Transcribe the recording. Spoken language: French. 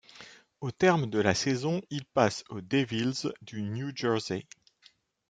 Au terme de la saison, il passe aux Devils du New Jersey.